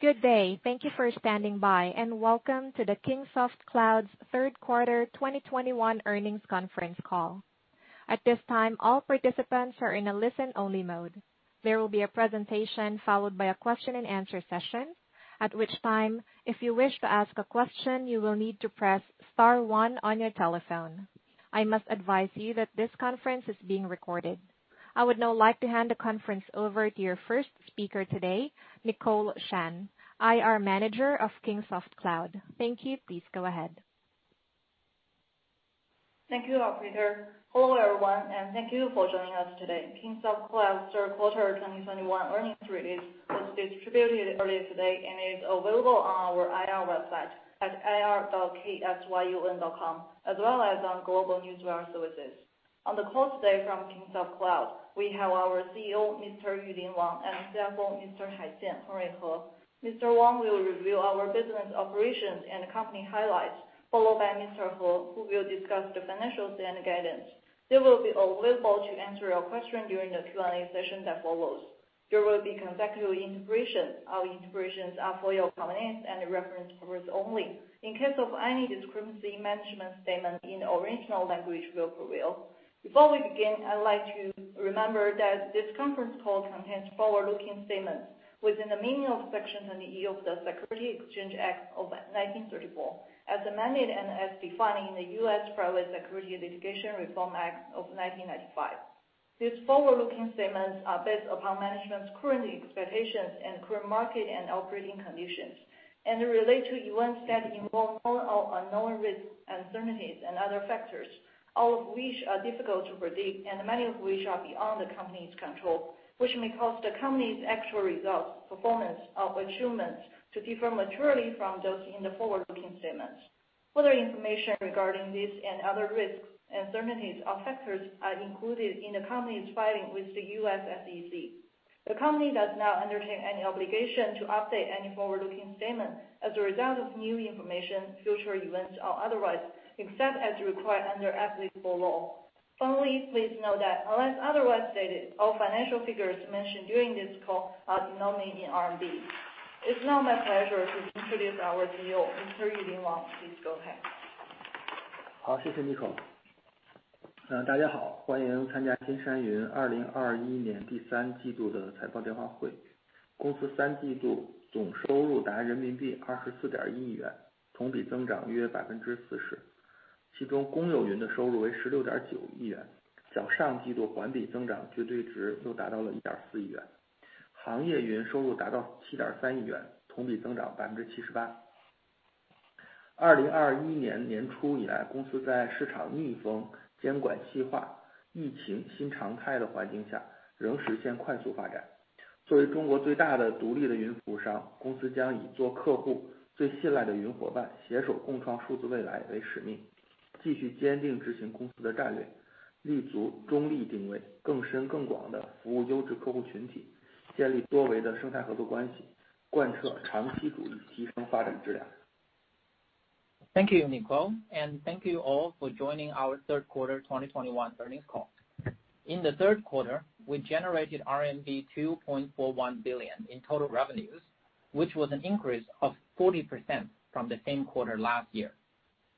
Good day. Thank you for standing by, and welcome to the Kingsoft Cloud's third quarter 2021 earnings conference call. At this time, all participants are in a listen-only mode. There will be a presentation followed by a question and answer session, at which time, if you wish to ask a question, you will need to press star one on your telephone. I must advise you that this conference is being recorded. I would now like to hand the conference over to your first speaker today, Nicole Shan, IR Manager of Kingsoft Cloud. Thank you. Please go ahead. Thank you, operator. Hello, everyone, and thank you for joining us today. Kingsoft Cloud third quarter 2021 earnings release was distributed earlier today and is available on our IR website at ir.ksyun.com, as well as on global newswire services. On the call today from Kingsoft Cloud, we have our CEO, Mr. Yulin Wang, and CFO, Mr. Haijian He. Mr. Wang will review our business operations and company highlights, followed by Mr. He, who will discuss the financials and guidance. They will be available to answer your question during the Q&A session that follows. There will be consecutive interpretation. Our interpretations are for your convenience and reference purpose only. In case of any discrepancy, management's statement in the original language will prevail. Before we begin, I'd like to remind that this conference call contains forward-looking statements within the meaning of Section 21E of the Securities Exchange Act of 1934, as amended, and as defined in the U.S. Private Securities Litigation Reform Act of 1995. These forward-looking statements are based upon management's current expectations and current market and operating conditions, and they relate to events that involve known or unknown risks, uncertainties and other factors, all of which are difficult to predict and many of which are beyond the company's control, which may cause the company's actual results, performance or achievements to differ materially from those in the forward-looking statements. Further information regarding this and other risks, uncertainties or factors is included in the company's filings with the U.S. SEC. The company does not undertake any obligation to update any forward-looking statement as a result of new information, future events, or otherwise, except as required under applicable law. Finally, please note that unless otherwise stated, all financial figures mentioned during this call are denominated in RMB. It's now my pleasure to introduce our CEO, Mr. Yulin Wang. Please go ahead. 好，谢谢Nicole。大家好，欢迎参加金山云2021年第三季度的财报电话会。公司三季度总收入达人民币24.1亿元，同比增长约40%。其中公有云的收入为16.9亿元，较上季度环比增长绝对值又达到了1.4亿元。行业云收入达到7.3亿元，同比增长78%。2021年年初以来，公司在市场逆风、监管细化、疫情新常态的环境下，仍实现快速发展。作为中国最大的独立的云服务商，公司将以做客户最信赖的云伙伴，携手共创数字未来为使命，继续坚定执行公司的战略，立足中立定位，更深更广的服务优质客户群体，建立多维的生态合作关系，贯彻长期主义，提升发展质量。Thank you, Nicole, and thank you all for joining our third quarter 2021 earnings call. In the third quarter, we generated RMB 2.41 billion in total revenues, which was an increase of 40% from the same quarter last year.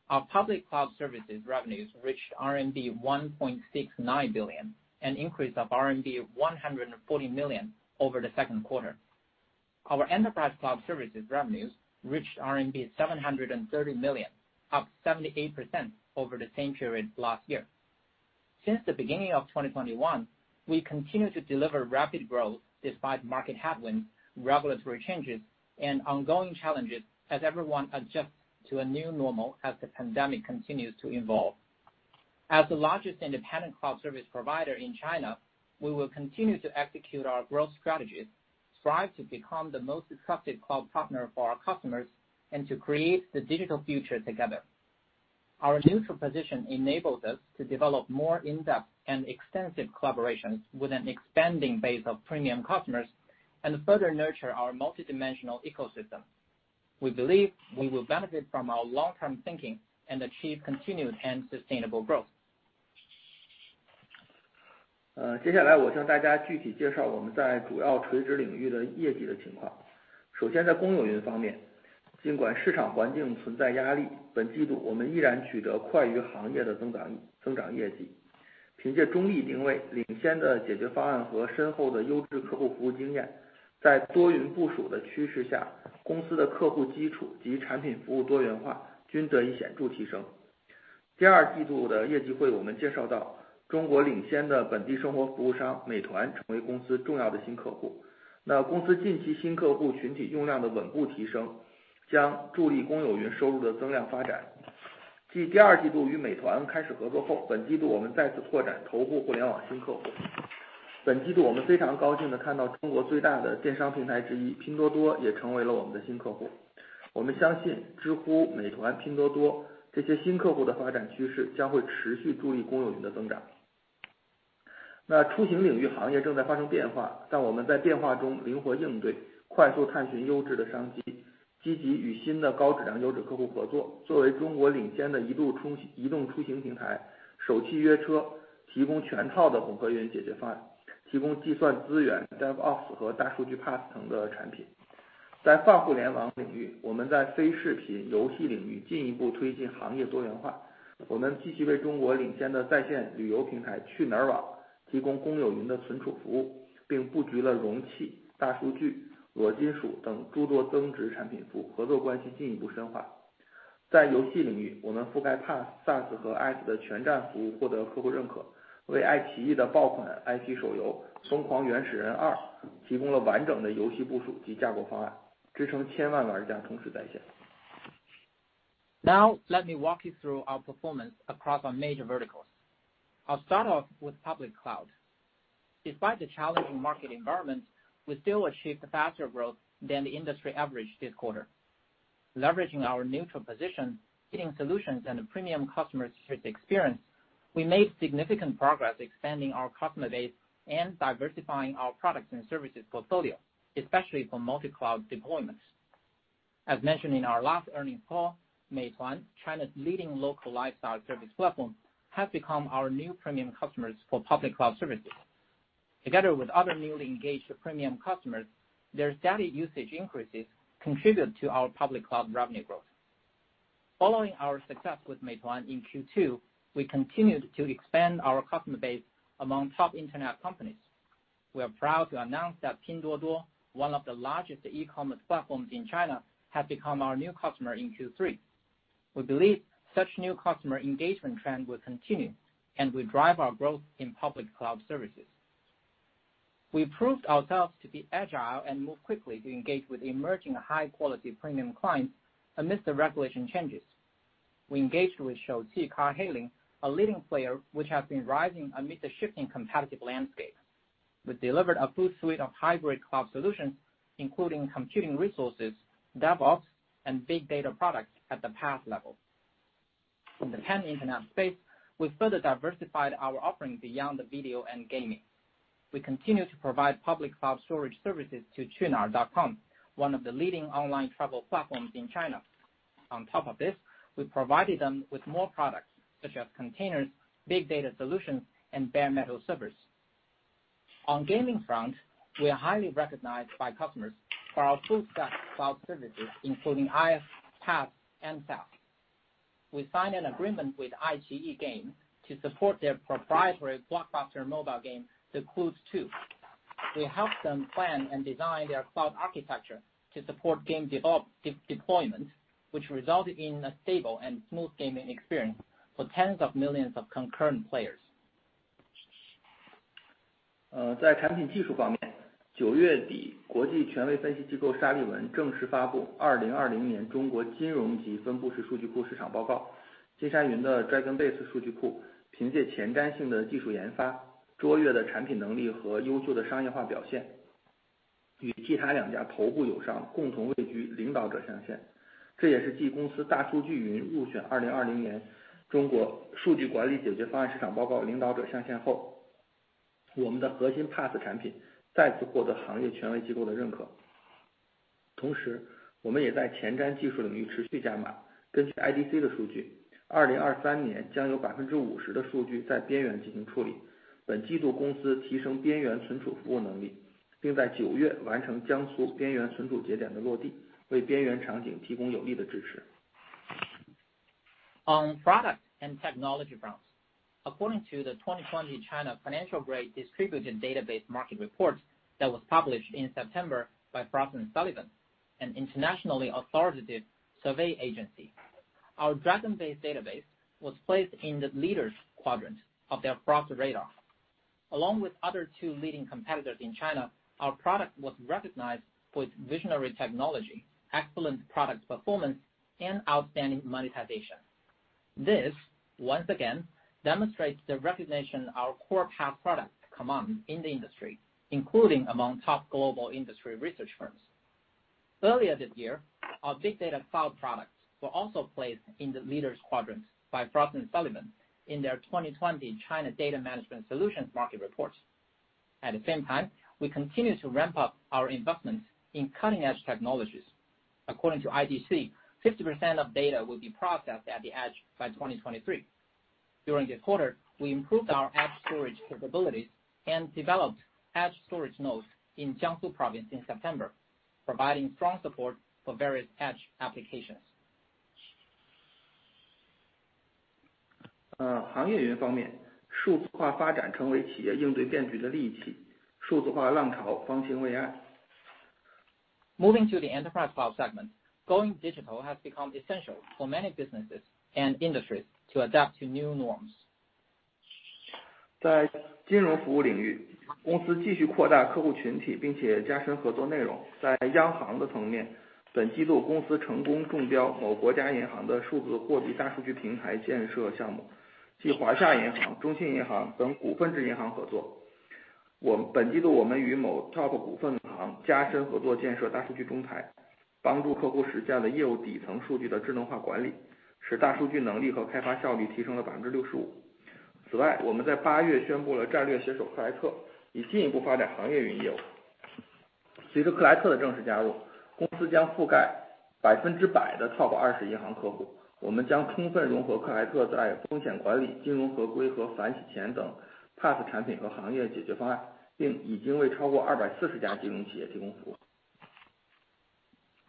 Our public cloud services revenues reached RMB 1.69 billion, an increase of RMB 140 million over the second quarter. Our enterprise cloud services revenues reached RMB 730 million, up 78% over the same period last year. Since the beginning of 2021, we continue to deliver rapid growth despite market headwinds, regulatory changes, and ongoing challenges as everyone adjusts to a new normal as the pandemic continues to evolve. As the largest independent cloud service provider in China, we will continue to execute our growth strategies, strive to become the most trusted cloud partner for our customers, and to create the digital future together. Our neutral position enables us to develop more in-depth and extensive collaborations with an expanding base of premium customers and further nurture our multidimensional ecosystem. We believe we will benefit from our long-term thinking and achieve continued and sustainable growth。接下来我向大家具体介绍我们在主要垂直领域的业绩的情况。首先在公有云方面，尽管市场环境存在压力，本季度我们依然取得快于行业的增长业绩。凭借中立定位、领先的解决方案和深厚的优质客户服务经验，在多云部署的趋势下，公司的客户基础及产品服务多元化均得以显著提升。第二季度的业绩会我们介绍到，中国领先的本地生活服务商美团成为公司重要的新客户，那公司近期新客户群体用量的稳步提升将助力公有云收入的增量发展。继第二季度与美团开始合作后，本季度我们再次拓展头部互联网新客户。本季度我们非常高兴地看到中国最大的电商平台之一，拼多多也成为了我们的新客户。我们相信知乎、美团、拼多多这些新客户的发展趋势将会持续助力公有云的增长。那出行领域行业正在发生变化，但我们在变化中灵活应对，快速探寻优质的商机，积极与新的高质量优质客户合作。作为中国领先的移动出行平台，首汽约车提供全套的混合云解决方案，提供计算资源、DevOps和大数据PaaS层的产品。在泛互联网领域，我们在非视频游戏领域进一步推进行业多元化。我们继续为中国领先的在线旅游平台去哪儿网提供公有云的存储服务，并布局了容器、大数据、裸金属等诸多增值产品服务，合作关系进一步深化。在游戏领域，我们覆盖PaaS、SaaS和IaaS的全栈服务，获得客户认可，为爱奇艺的爆款IP手游疯狂原始人2提供了完整的游戏部署及架构方案，支撑千万玩家同时在线。Now let me walk you through our performance across our major verticals. I'll start off with public cloud. Despite the challenging market environment, we still achieved faster growth than the industry average this quarter. Leveraging our neutral position in solutions and a premium customer experience, we made significant progress expanding our customer base and diversifying our products and services portfolio, especially for multi-cloud deployments. As mentioned in our last earnings call, Meituan, China's leading local lifestyle service platform, have become our new premium customers for public cloud services. Together with other newly engaged premium customers, their steady usage increases contributed to our public cloud revenue growth. Following our success with Meituan in Q2, we continued to expand our customer base among top Internet companies. We are proud to announce that Pinduoduo, one of the largest e-commerce platforms in China, has become our new customer in Q3. We believe such new customer engagement trend will continue and will drive our growth in public cloud services. We proved ourselves to be agile and move quickly to engage with emerging high quality premium clients amidst the regulation changes. We engaged with Shouqi Yueche, a leading player which has been rising amidst the shifting competitive landscape. We delivered a full suite of hybrid cloud solutions, including computing resources, DevOps, and big data products at the PaaS level. In the pan Internet space, we further diversified our offerings beyond video and gaming. We continue to provide public cloud storage services to qunar.com, one of the leading online travel platforms in China. On top of this, we provided them with more products such as containers, big data solutions, and bare metal servers. On gaming front, we are highly recognized by customers for our full stack cloud services, including IaaS, PaaS and SaaS. We signed an agreement with iQIYI Games to support their proprietary blockbuster mobile game The Croods two. We helped them plan and design their cloud architecture to support game development deployment, which resulted in a stable and smooth gaming experience for tens of millions of concurrent players. On product and technology fronts. According to the 2020 China Financial Grade Distributed Database Market Report that was published in September by Frost & Sullivan, an internationally authoritative survey agency, our Dragon Database was placed in the leaders quadrant of their Frost Radar. Along with other two leading competitors in China, our product was recognized for its visionary technology, excellent product performance and outstanding monetization. This once again demonstrates the recognition our core paaS products command in the industry, including among top global industry research firms. Earlier this year, our Big Data Cloud products were also placed in the leaders quadrant by Frost & Sullivan in their 2020 China Data Management Solutions Market Report. At the same time, we continue to ramp up our investments in cutting-edge technologies. According to IDC, 50% of data will be processed at the edge by 2023. During this quarter, we improved our edge storage capabilities and developed edge storage nodes in Jiangsu Province in September, providing strong support for various edge applications. 行业云方面，数字化发展成为企业应对变局的利器，数字化浪潮方兴未艾。Moving to the enterprise cloud segment, going digital has become essential for many businesses and industries to adapt to new norms.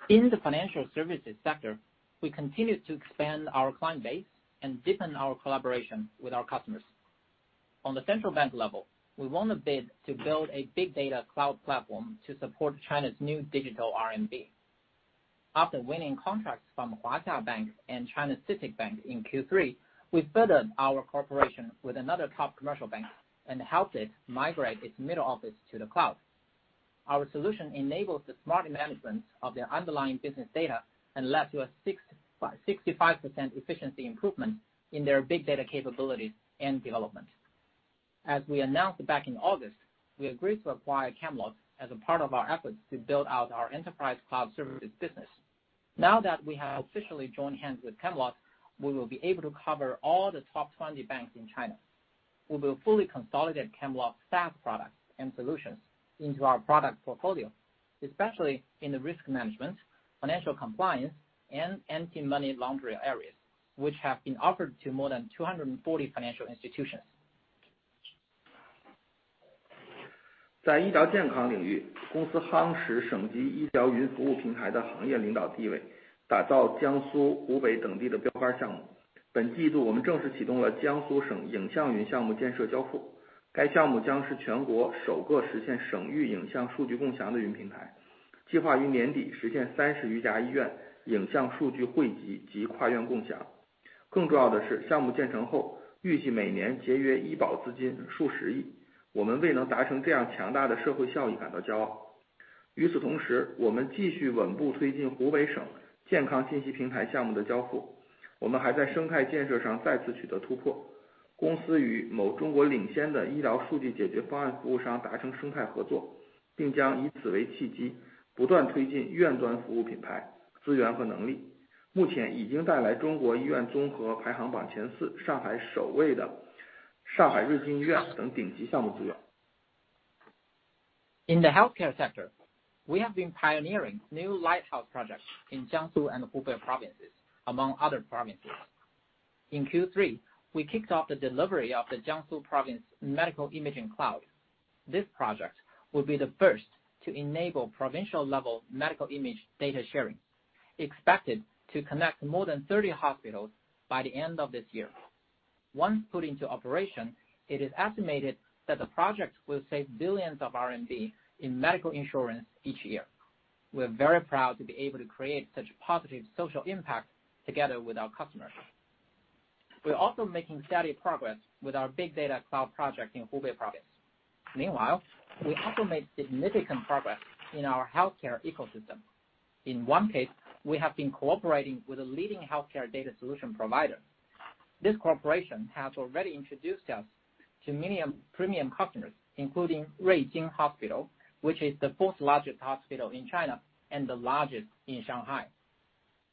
In the financial services sector, we continue to expand our client base and deepen our collaboration with our customers. On the central bank level, we won a bid to build a big data cloud platform to support China's new digital RMB. After winning contracts from Huaxia Bank and China CITIC Bank in Q3, we furthered our cooperation with another top commercial bank and helped it migrate its middle office to the cloud. Our solution enables the smart management of their underlying business data and led to a 65% efficiency improvement in their big data capabilities and development. As we announced back in August, we agreed to acquire Camelot as a part of our efforts to build out our enterprise cloud services business. Now that we have officially joined hands with Camelot, we will be able to cover all the top 20 banks in China. We will fully consolidate Camelot SaaS products and solutions into our product portfolio, especially in the risk management, financial compliance, and anti-money laundering areas, which have been offered to more than 240 financial institutions. In the healthcare sector, we have been pioneering new lighthouse projects in Jiangsu and Hubei provinces, among other provinces. In Q3, we kicked off the delivery of the Jiangsu Province Medical Imaging Cloud. This project will be the first to enable provincial-level medical image data sharing, expected to connect more than 30 hospitals by the end of this year. Once put into operation, it is estimated that the project will save billions of RMB in medical insurance each year. We are very proud to be able to create such positive social impact together with our customers. We are also making steady progress with our Big Data Cloud project in Hubei Province. Meanwhile, we also made significant progress in our healthcare ecosystem. In one case, we have been cooperating with a leading healthcare data solution provider. This corporation has already introduced us to many premium customers, including Ruijin Hospital, which is the fourth largest hospital in China and the largest in Shanghai.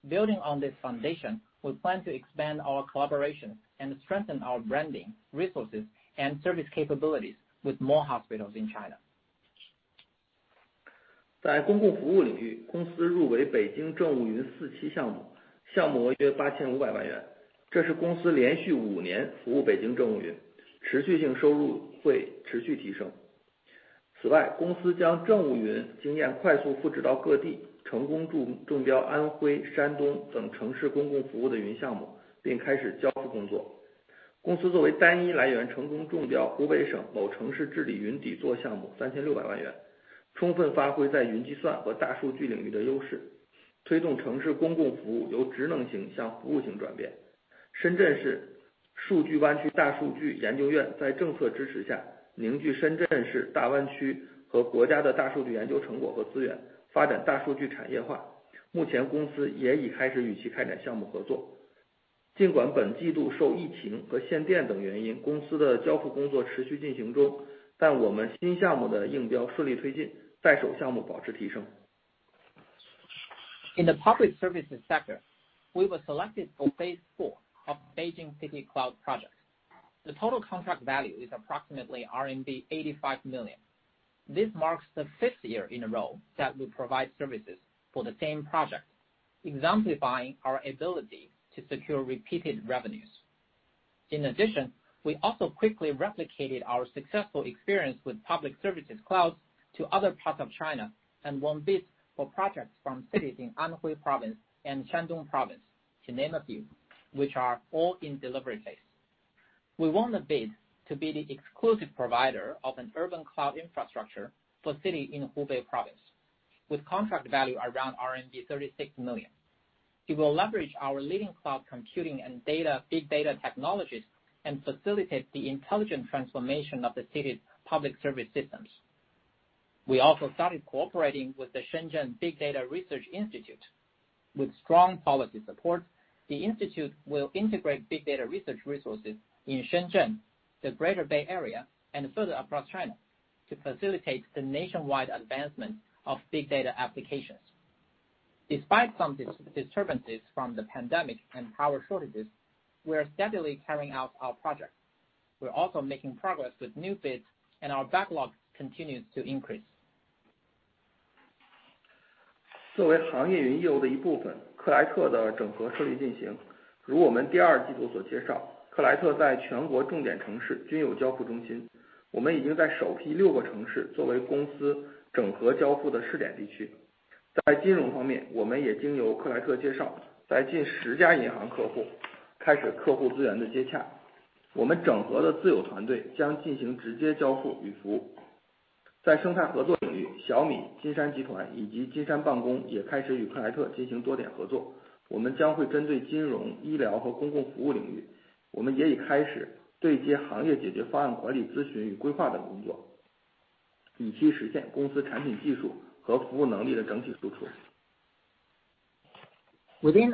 Building on this foundation, we plan to expand our collaboration and strengthen our branding, resources, and service capabilities with more hospitals in China. In the public services sector, we were selected for phase four of the Beijing City Cloud project. The total contract value is approximately RMB 85 million. This marks the fifth year in a row that we provide services for the same project, exemplifying our ability to secure repeated revenues. In addition, we also quickly replicated our successful experience with public services cloud to other parts of China, and won bids for projects from cities in Anhui Province and Shandong Province, to name a few, which are all in delivery phase. We won the bid to be the exclusive provider of an urban cloud infrastructure for a city in Hubei Province, with contract value around RMB 36 million. It will leverage our leading cloud computing and big data technologies and facilitate the intelligent transformation of the city's public service systems. We also started cooperating with the Shenzhen Research Institute of Big Data. With strong policy support, the institute will integrate big data research resources in Shenzhen, the Greater Bay Area, and further across China to facilitate the nationwide advancement of big data applications. Despite some disturbances from the pandemic and power shortages, we are steadily carrying out our project. We're also making progress with new bids, and our backlog continues to increase. Within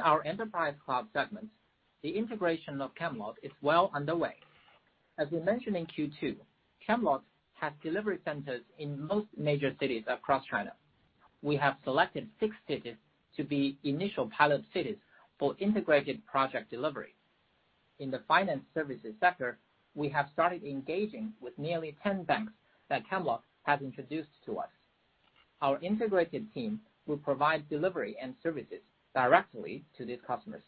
our enterprise cloud segment, the integration of Camelot is well underway. As we mentioned in Q2, Camelot has delivery centers in most major cities across China. We have selected six cities to be initial pilot cities for integrated project delivery. In the finance services sector, we have started engaging with nearly 10 banks that Camelot has introduced to us. Our integrated team will provide delivery and services directly to these customers.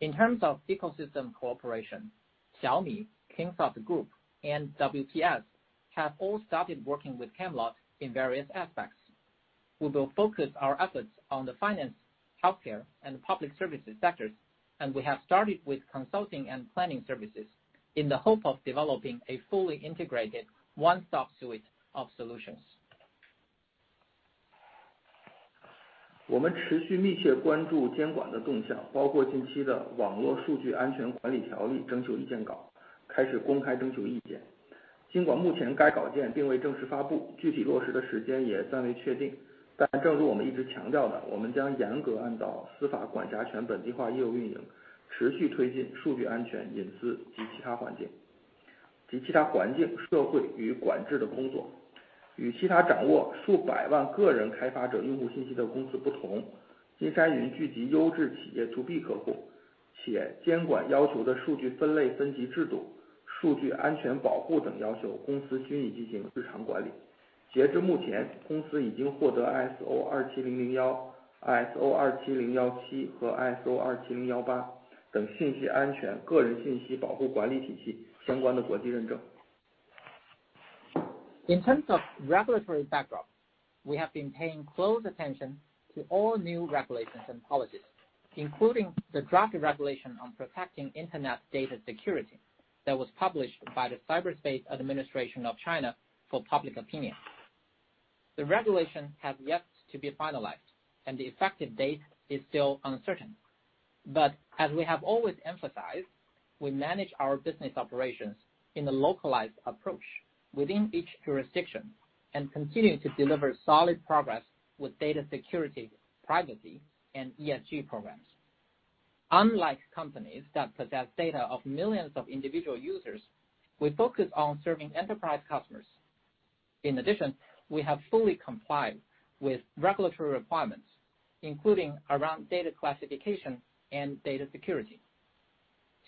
In terms of ecosystem cooperation, Xiaomi, Kingsoft Group, and WPS have all started working with Camelot in various aspects. We will focus our efforts on the finance, healthcare, and public services sectors, and we have started with consulting and planning services in the hope of developing a fully integrated one-stop suite of solutions. In terms of regulatory backdrop, we have been paying close attention to all new regulations and policies, including the draft regulation on protecting Internet data security that was published by the Cyberspace Administration of China for public opinion. The regulation has yet to be finalized, and the effective date is still uncertain. As we have always emphasized, we manage our business operations in a localized approach within each jurisdiction, and continue to deliver solid progress with data security, privacy, and ESG programs. Unlike companies that possess data of millions of individual users, we focus on serving enterprise customers. In addition, we have fully complied with regulatory requirements, including around data classification and data security.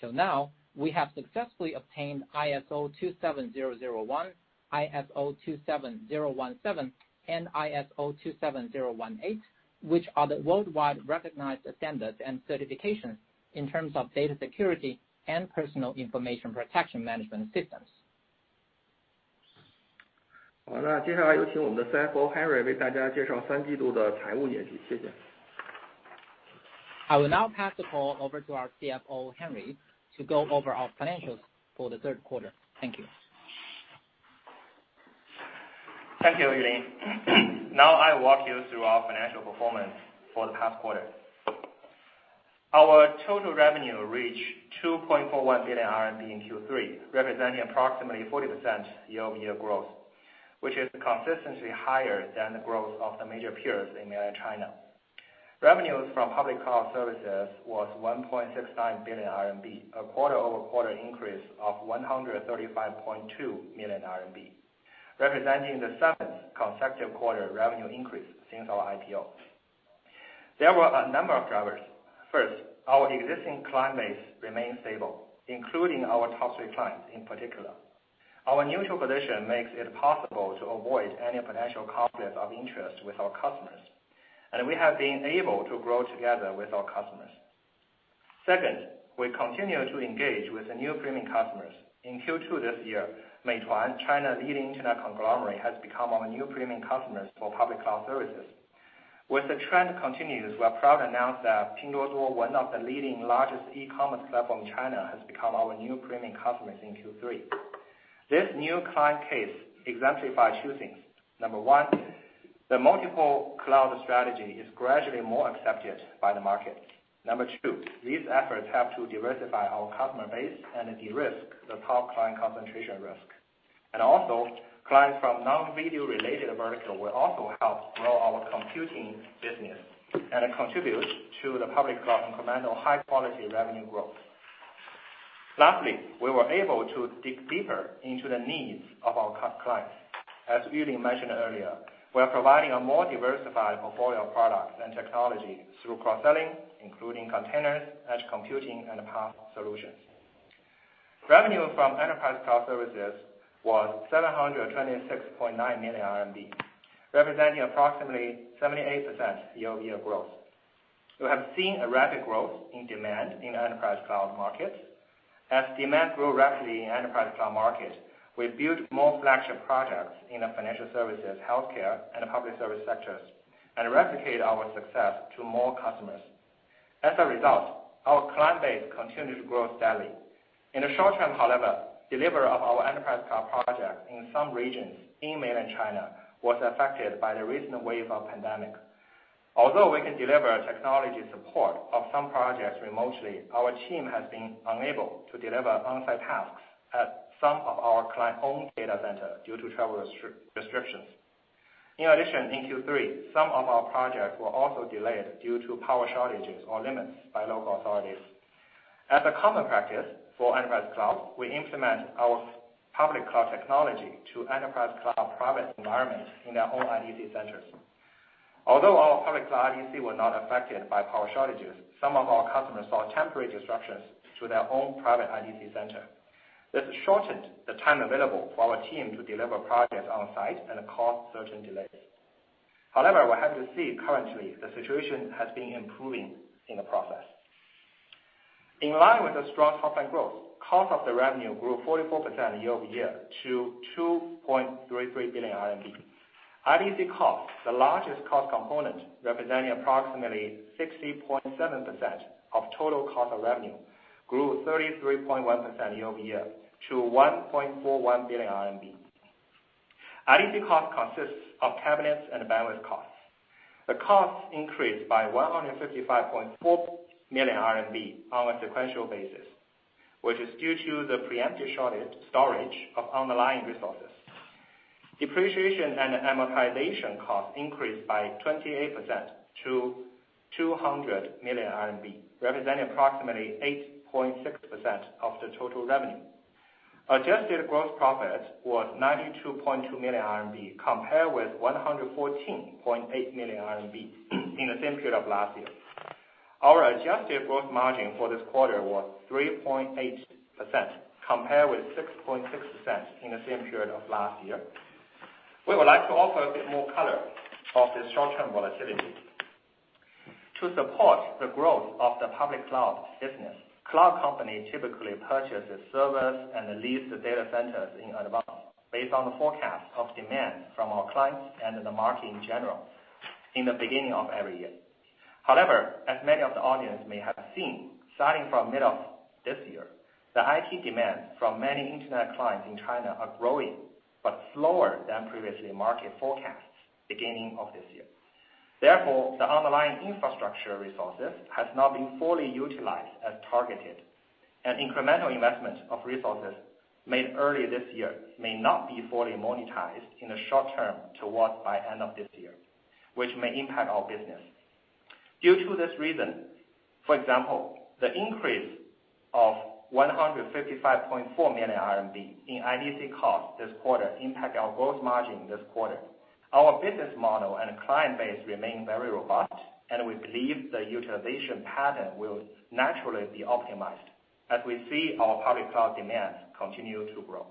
Till now, we have successfully obtained ISO 27001, ISO 27017, and ISO 27018, which are the worldwide recognized standards and certifications in terms of data security and personal information protection management systems. I will now pass the call over to our CFO, Henry, to go over our financials for the third quarter. Thank you. Thank you, Yulin. Now I walk you through our financial performance for the past quarter. Our total revenue reached 2.41 billion RMB in Q3, representing approximately 40% year-over-year growth, which is consistently higher than the growth of the major peers in Greater China. Revenues from public cloud services was 1.69 billion RMB, a quarter-over-quarter increase of 135.2 million RMB, representing the seventh consecutive quarter revenue increase since our IPO. There were a number of drivers. First, our existing client base remained stable, including our top three clients in particular. Our neutral position makes it possible to avoid any potential conflicts of interest with our customers, and we have been able to grow together with our customers. Second, we continue to engage with the new premium customers. In Q2 this year, Meituan, China's leading internet conglomerate, has become our new premium customers for public cloud services. With the trend continues, we are proud to announce that Pinduoduo, one of the leading largest e-commerce platform in China, has become our new premium customers in Q3. This new client case exemplify two things. Number one, the multiple cloud strategy is gradually more accepted by the market. Number two, these efforts have to diversify our customer base and de-risk the top client concentration risk. And also, clients from non-video related vertical will also help grow our computing business and contribute to the public cloud incremental high-quality revenue growth. Lastly, we were able to dig deeper into the needs of our clients. As Yulin mentioned earlier, we are providing a more diversified portfolio of products and technology through cross-selling, including containers, edge computing, and PaaS solutions. Revenue from enterprise cloud services was 726.9 million RMB, representing approximately 78% year-over-year growth. We have seen a rapid growth in demand in enterprise cloud markets. As demand grew rapidly in enterprise cloud markets, we built more flagship projects in the financial services, healthcare, and public service sectors, and replicate our success to more customers. As a result, our client base continued to grow steadily. In the short term, however, delivery of our enterprise cloud projects in some regions in Mainland China was affected by the recent wave of pandemic. Although we can deliver technology support of some projects remotely, our team has been unable to deliver on-site tasks at some of our client-owned data center due to travel restrictions. In addition, in Q3, some of our projects were also delayed due to power shortages or limits by local authorities. As a common practice for enterprise cloud, we implement our public cloud technology to enterprise cloud private environment in their own IDC centers. Although our public cloud IDC were not affected by power shortages, some of our customers saw temporary disruptions to their own private IDC center. This shortened the time available for our team to deliver projects on site and caused certain delays. However, we're happy to see that currently the situation has been improving in the process. In line with the strong top line growth, cost of revenue grew 44% year-over-year-RMB 2.33 billion. IDC cost, the largest cost component representing approximately 60.7% of total cost of revenue, grew 33.1% year-over-year-RMB 1.41 billion. IDC cost consists of cabinets and bandwidth costs. The costs increased by 155.4 million RMB on a sequential basis, which is due to the preemptive short-term storage of underlying resources. Depreciation and amortization costs increased by 28%-CNY 200 million, representing approximately 8.6% of the total revenue. Adjusted gross profit was 92.2 million RMB, compared with 114.8 million RMB in the same period of last year. Our adjusted gross margin for this quarter was 3.8%, compared with 6.6% in the same period of last year. We would like to offer a bit more color on this short-term volatility. To support the growth of the public cloud business, cloud company typically purchases servers and leases data centers in advance based on the forecast of demand from our clients and the market in general in the beginning of every year. However, as many of the audience may have seen, starting from middle of this year, the IT demand from many internet clients in China are growing, but slower than previously market forecasts beginning of this year. Therefore, the underlying infrastructure resources has not been fully utilized as targeted, and incremental investment of resources made early this year may not be fully monetized in the short term towards by end of this year, which may impact our business. Due to this reason, for example, the increase of 155.4 million RMB in IDC cost this quarter impact our gross margin this quarter. Our business model and client base remain very robust, and we believe the utilization pattern will naturally be optimized as we see our public cloud demand continue to grow.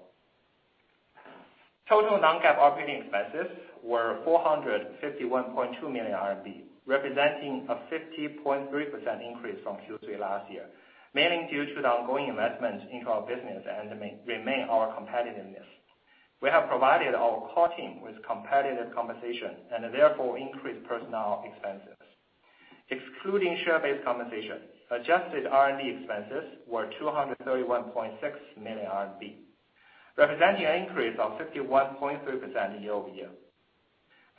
Total non-GAAP operating expenses were 451.2 million RMB, representing a 50.3% increase from Q3 last year, mainly due to the ongoing investment into our business and maintain our competitiveness. We have provided our core team with competitive compensation, and therefore increased personnel expenses. Excluding share-based compensation, adjusted R&D expenses were 231.6 million RMB, representing an increase of 51.3% year-over-year.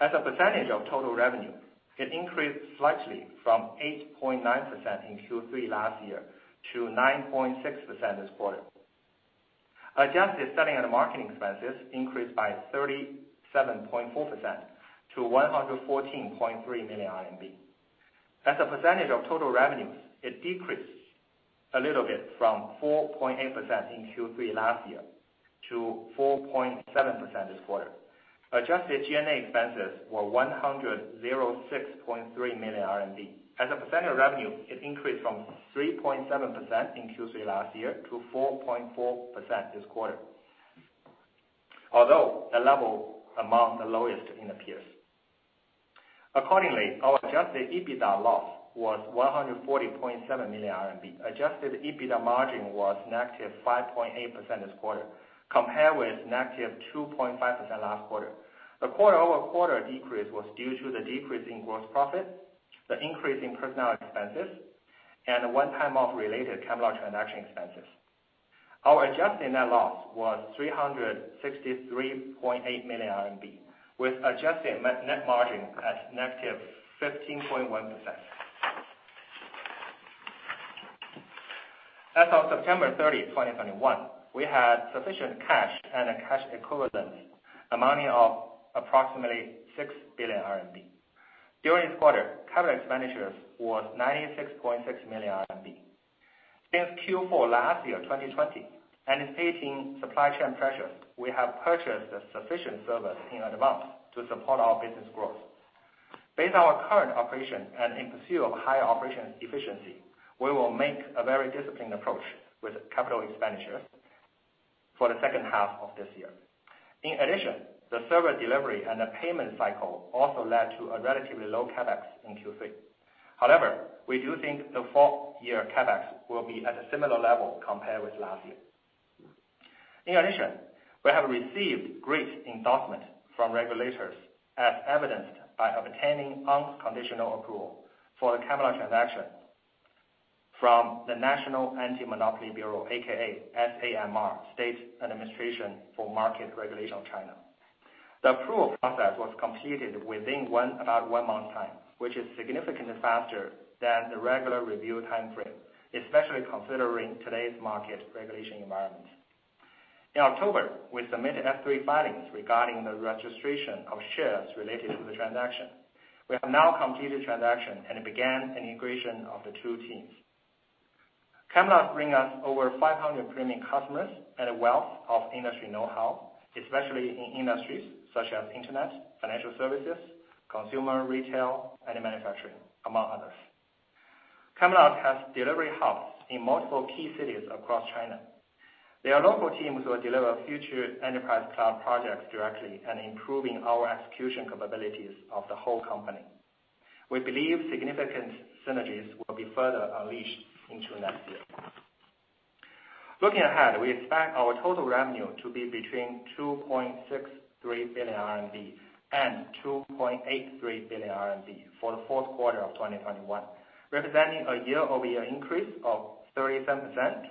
As a percentage of total revenue, it increased slightly from 8.9% in Q3 last year to 9.6% this quarter. Adjusted selling and marketing expences increased by 37.4%- 114.3 million RMB. As a percentage of total revenues, it decreased a little bit from 4.8% in Q3 last year-4.7% this quarter. Adjusted G&A expenses were 106.3 million RMB. As a percent of revenue, it increased from 3.7% in Q3 last year-4.4% this quarter, although the level is among the lowest in the peers. Accordingly, our adjusted EBITDA loss was 140.7 million RMB. Adjusted EBITDA margin was -5.8% this quarter, compared with -2.5% last quarter. The quarter-over-quarter decrease was due to the decrease in gross profit, the increase in personnel expenses, and a one-time acquisition-related Camelot transaction expenses. Our adjusted net loss was 363.8 million RMB, with adjusted net margin at -15.1%. As of 30th September 2021, we had sufficient cash and cash equivalents amounting to approximately 6 billion RMB. During this quarter, capital expenditures was 96.6 million RMB. Since Q4 2020, anticipating supply chain pressures, we have purchased sufficient servers in advance to support our business growth. Based on our current operation and in pursuit of higher operational efficiency, we will make a very disciplined approach with capital expenditures for the second half of this year. In addition, the server delivery and the payment cycle also led to a relatively low CapEx in Q3. However, we do think the full year CapEx will be at a similar level compared with last year. In addition, we have received great endorsement from regulators, as evidenced by obtaining unconditional approval for the Camelot transaction from the State Anti-Monopoly Bureau, aka SAMR, State Administration for Market Regulation of China. The approval process was completed within one month, which is significantly faster than the regular review timeframe, especially considering today's market regulation environment. In October, we submitted S-3 filings regarding the registration of shares related to the transaction. We have now completed the transaction and began an integration of the two teams. Camelot bring us over 500 premium customers and a wealth of industry know-how, especially in industries such as internet, financial services, consumer retail, and manufacturing, among others. Camelot has delivery hubs in multiple key cities across China. Their local teams will deliver future enterprise cloud projects directly and improving our execution capabilities of the whole company. We believe significant synergies will be further unleashed into next year. Looking ahead, we expect our total revenue to be between 2.63 billion RMB and 2.83 billion RMB for the fourth quarter of 2021, representing a year-over-year increase of 37%-47%.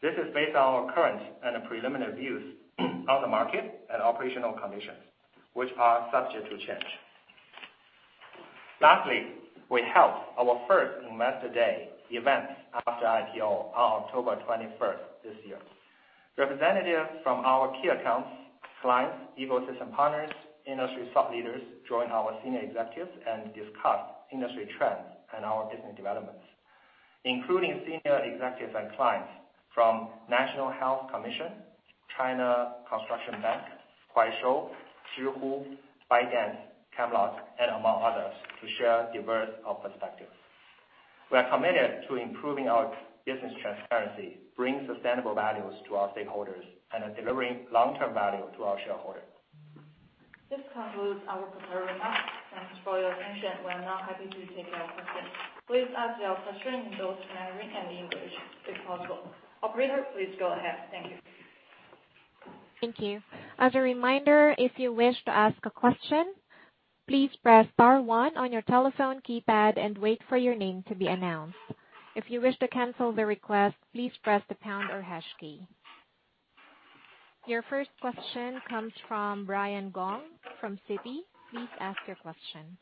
This is based on our current and preliminary views on the market and operational conditions, which are subject to change. Lastly, we held our first Investor Day event after IPO on 21st October this year. Representatives from our key accounts, clients, ecosystem partners, industry thought leaders joined our senior executives and discussed industry trends and our business developments, including senior executives and clients from National Health Commission, China Construction Bank, Kuaishou, Zhihu, ByteDance, Camelot, and among others to share diversity of perspectives. We are committed to improving our business transparency, bringing sustainable values to our stakeholders, and delivering long-term value to our shareholders. This concludes our prepared remarks. Thanks for your attention. We're now happy to take your questions. Please ask your question in both Mandarin and English if possible. Operator, please go ahead. Thank you. Thank you. As a reminder, if you wish to ask a question, please press star one on your telephone keypad and wait for your name to be announced. If you wish to cancel the request, please press the pound or hash key. Your first question comes from Brian Gong from Citi. Please ask your question.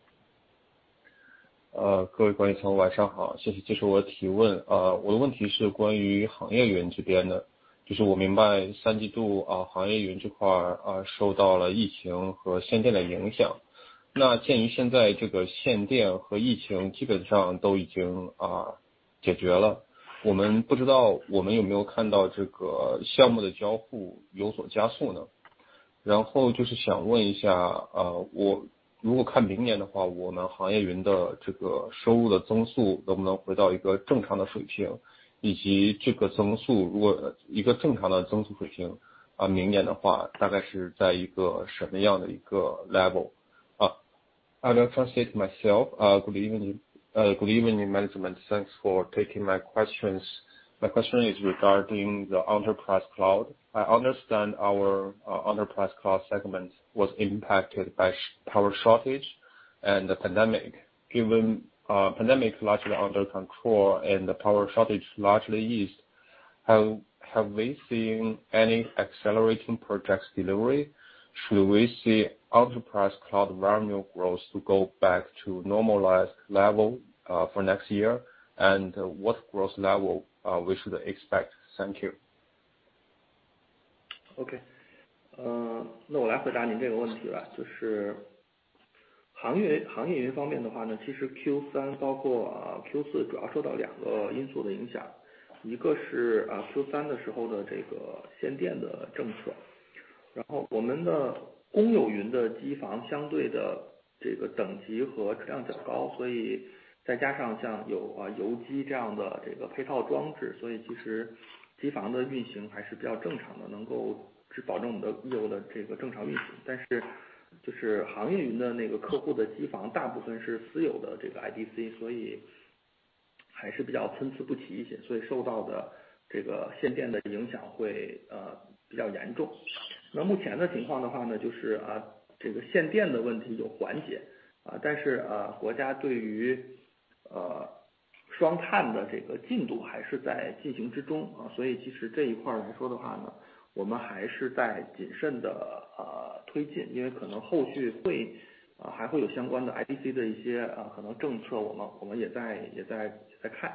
各位管理层晚上好，谢谢接受我提问。我的问题是关于行业云这边的。我明白三季度行业云这块儿受到了疫情和限电的影响。那鉴于现在这个限电和疫情基本上都已经解决了，我们不知道我们有没有看到这个项目的交付有所加速呢？然后就是想问一下，我…… 如果看明年的话，我们行业云的这个收入的增速能不能回到一个正常的水准，以及这个增速如果一个正常的增速水准，明年的话大概是在一个什么样的一个level？哦。I will translate myself. Good evening. Good evening management. Thanks for taking my questions. My question is regarding the enterprise cloud. I understand our enterprise cloud segment was impacted by power shortage and the pandemic. Given pandemic largely under control and the power shortage largely eased, have we seen any accelerating projects delivery? Should we see enterprise cloud revenue growth to go back to normalized level for next year? What growth level we should expect? Thank you. 还会有相关的IDC的一些政策，我们也在看。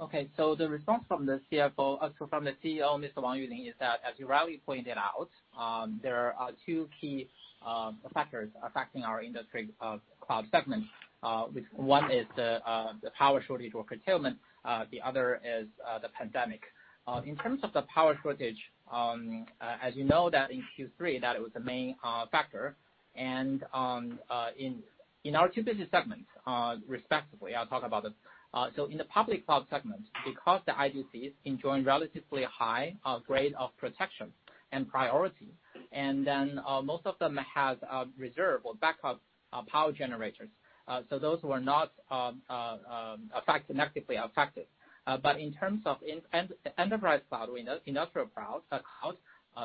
Okay. The response from the CFO, the CEO Mr. Wang pointed out, there are two key factors affecting our cloud segment, one of which is the power shortage or curtailment, the other is the pandemic. In terms of the power shortage, as you know, in Q3 that was the main factor, and in our two business segments, respectively, I'll talk about them. In the public cloud segment, because the IDCs enjoying relatively high grade of protection and priority, and then most of them have reserve or backup power generators. Those were not negatively affected. In terms of enterprise cloud, industrial cloud,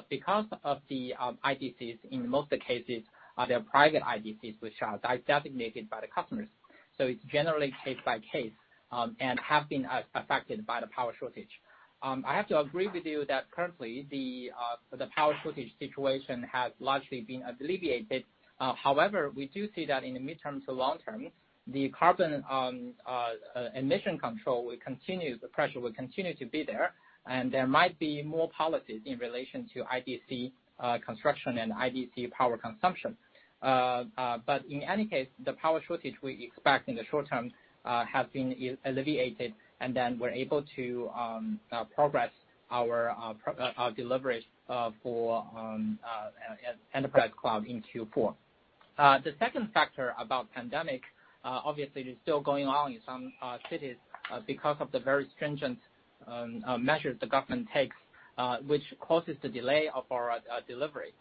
because of the IDCs, in most cases are their private IDCs, which are designated by the customers. It's generally case by case and have been affected by the power shortage. I have to agree with you that currently the power shortage situation has largely been alleviated. However, we do see that in the midterm to long term, the carbon emission control will continue, the pressure will continue to be there, and there might be more policies in relation to IDC construction and IDC power consumption. In any case, the power shortage we expect in the short term has been alleviated and then we're able to progress our deliveries for enterprise cloud in Q4. The second factor about pandemic, obviously it is still going on in some cities because of the very stringent measures the government takes, which causes the delay of our delivery.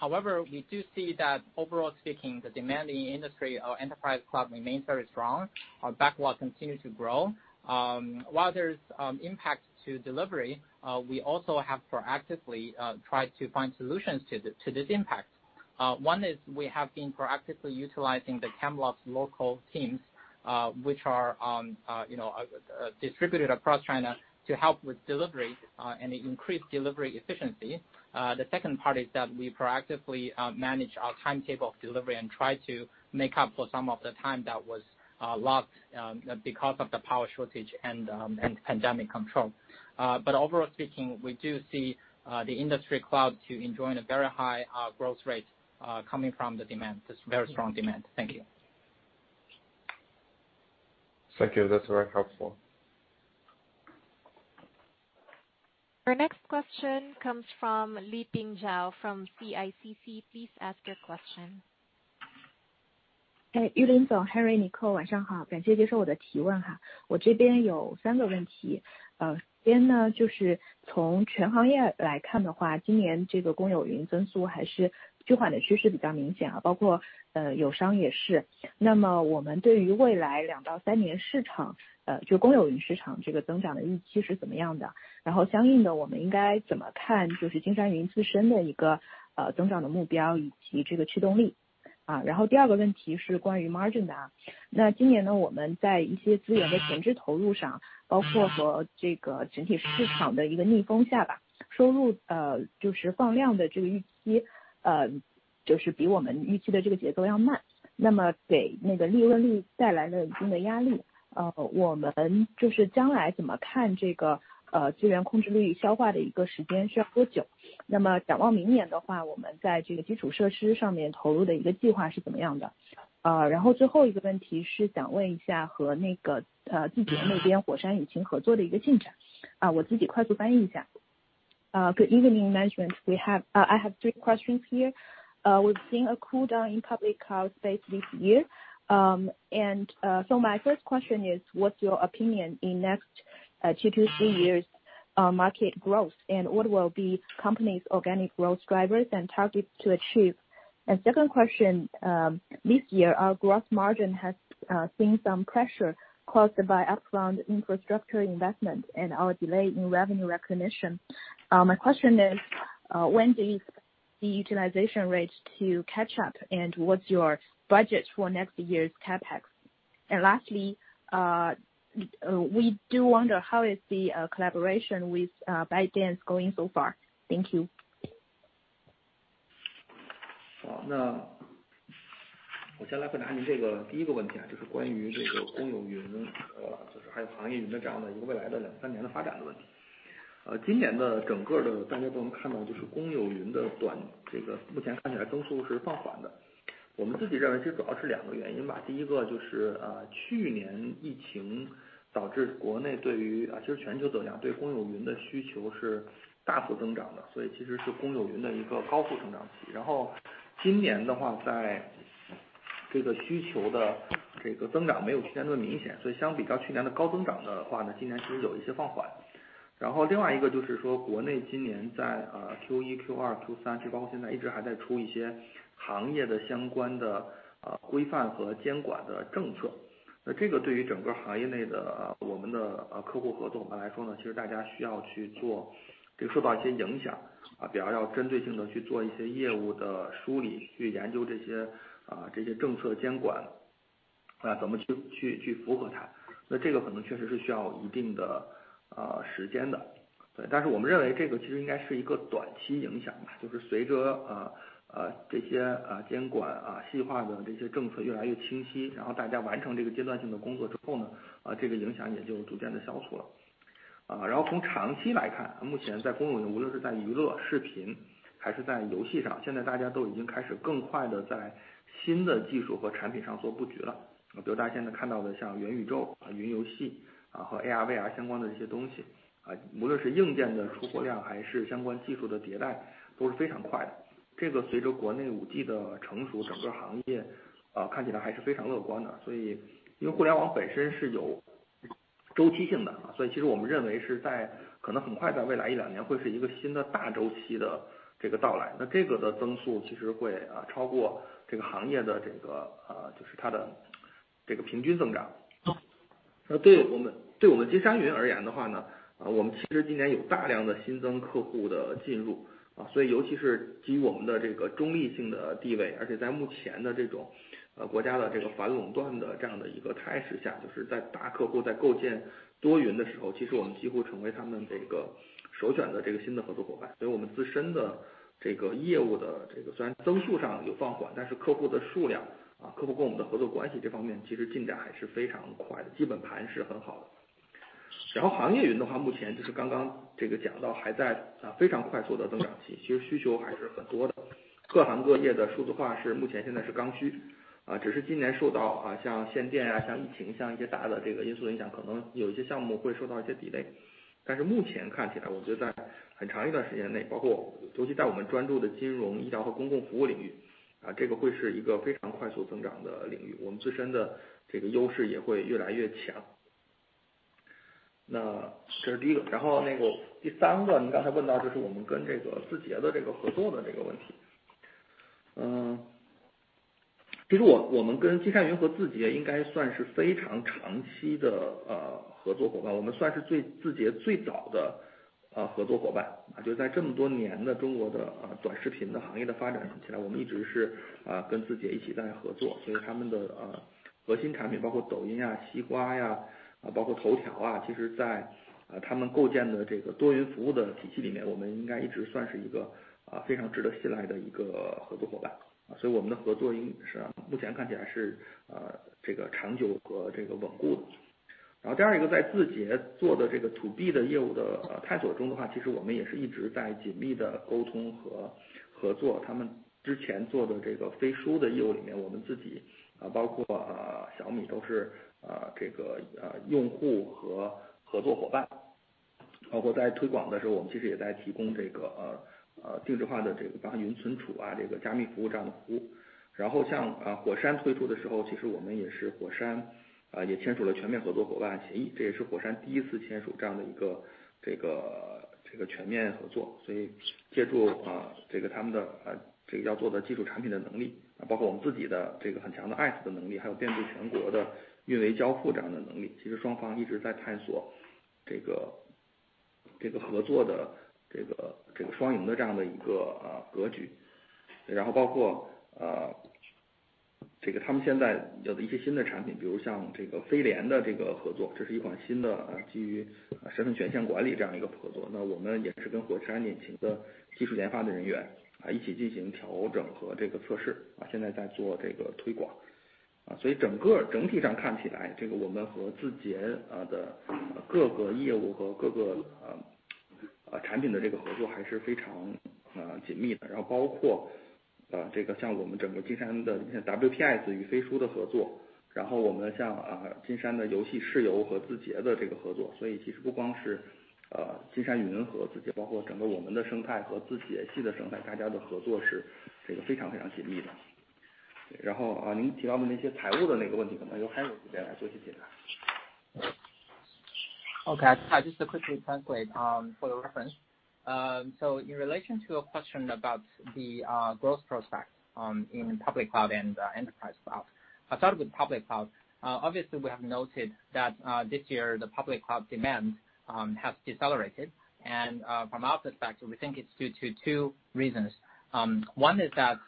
However, we do see that overall speaking, the demand in the industrial or enterprise cloud remains very strong. Our backlog continues to grow. While there's impact to delivery, we also have proactively tried to find solutions to this impact. One is we have been proactively utilizing the Camelot's local teams, which are distributed across China to help with delivery and increase delivery efficiency. The second part is that we proactively manage our timetable of delivery and try to make up for some of the time that was lost because of the power shortage and pandemic control. Overall speaking, we do see the industrial cloud enjoying a very high growth rate coming from the demand. This very strong demand. Thank you. Thank you. That's very helpful. Our next question comes from Liping Zhao, from CICC. Please ask your question. 玉林总、Henry、Nicole，晚上好，感谢接受我的提问。我这边有三个问题。第一呢，就是从全行业来看的话，今年这个公有云增速还是趋缓的趋势比较明显，包括友商也是。那么我们对于未来两到三年市场，就公有云市场这个增长的预期是怎么样的？然后相应的我们应该怎么看，就是金山云自身的一个增长的目标以及这个驱动力。然后第二个问题是关于margin的。那今年呢，我们在一些资源的前置投入上，包括和这个整体市场的一个逆风下吧，收入就是放量的这个预期，就是比我们预期的这个节奏要慢，那么给那个利润率带来了一定的压力。我们就是将来怎么看这个资源控制率消化的一个时间需要多久？那么展望明年的话，我们在这个基础设施上面投入的一个计划是怎么样的？然后最后一个问题是想问一下和那个字节那边火山引擎合作的一个进展。我自己快速翻译一下。Good evening, management. I have three questions here. We've seen a cool down in public cloud space this year. My first question is what's your opinion on the next two to three years' market growth? And what will be the company's organic growth drivers and targets to achieve? Second question, this year our gross margin has seen some pressure caused by upfront infrastructure investment and our delay in revenue recognition. My question is, when will the utilization rates catch up and what's your budget for next year's CapEx? And lastly, we do wonder how is the collaboration with ByteDance going so far? Thank you. Okay, I just quickly translate for your reference. In relation to your question about the growth prospect in public cloud and enterprise cloud. I'll start with public cloud. Obviously we have noted that this year the public cloud demand has decelerated, and from our perspective, we think it's due to two reasons. One is that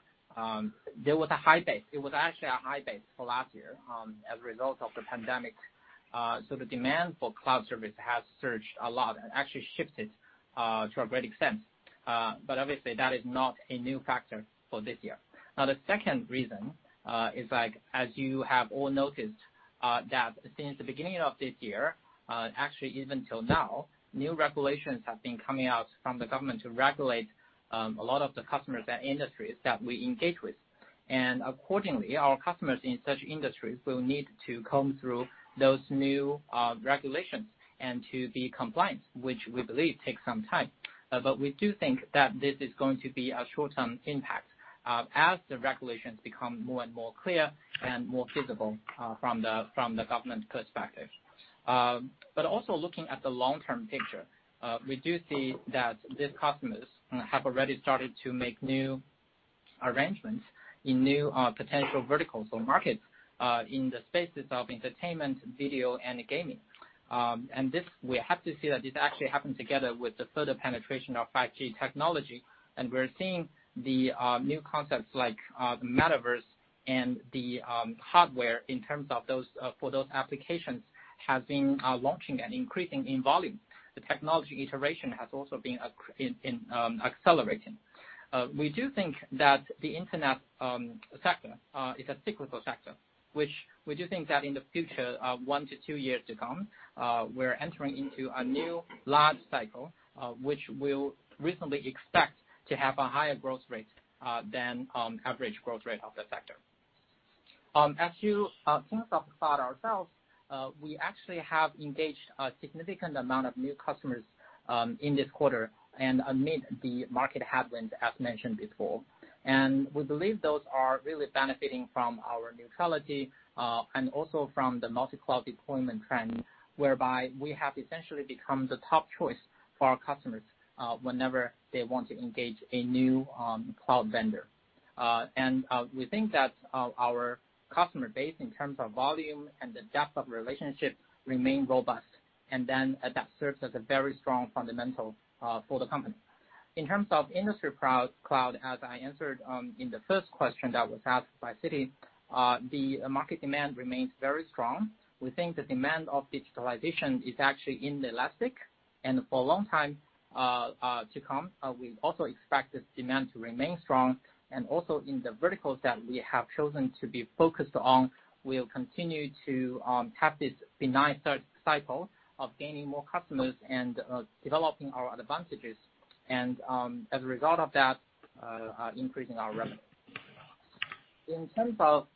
there was a high base, it was actually a high base for last year, as a result of the pandemic, so the demand for cloud service has surged a lot and actually shifted to a great extent. Obviously, that is not a new factor for this year. Now, the second reason is like, as you have all noticed, that since the beginning of this year, actually even till now, new regulations have been coming out from the government to regulate a lot of the customers and industries that we engage with. Accordingly, our customers in such industries will need to comb through those new regulations and to be compliant, which we believe takes some time. We do think that this is going to be a short-term impact, as the regulations become more and more clear and more visible from the government perspective. Also looking at the long-term picture, we do see that these customers have already started to make new arrangements in new potential verticals or markets in the spaces of entertainment, video, and gaming. This, we have to say that this actually happened together with the further penetration of 5G technology. We're seeing the new concepts like the Metaverse and the hardware in terms of those for those applications has been launching and increasing in volume. The technology iteration has also been accelerating. We do think that the internet sector is a cyclical sector, which we do think that in the future, one to two years to come, we're entering into a new large cycle, which we'll reasonably expect to have a higher growth rate than average growth rate of the sector. As you Kingsoft Cloud ourselves, we actually have engaged a significant amount of new customers in this quarter and amid the market headwinds, as mentioned before. We believe those are really benefiting from our neutrality, and also from the multi-cloud deployment trend, whereby we have essentially become the top choice for our customers, whenever they want to engage a new cloud vendor. We think that our customer base in terms of volume and the depth of relationship remain robust, and then that serves as a very strong fundamental for the company. In terms of industry cloud, as I answered in the first question that was asked by Citi, the market demand remains very strong. We think the demand of digitalization is actually inelastic. For a long time to come, we also expect this demand to remain strong. also in the verticals that we have chosen to be focused on, we'll continue to have this benign cycle of gaining more customers and developing our advantages, and as a result of that, increasing our revenue. In terms of